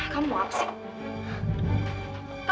kamu gak takut ya